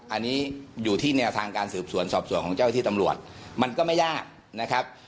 อันนี้อยู่ที่แนวทางการสืบสวนสอบสวนของเจ้าที่ตำรวจมันก็ไม่ยากนะครับ